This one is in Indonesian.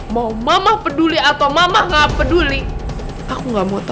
mau mama peduli atau mama nggak peduli aku nggak mau tahu ma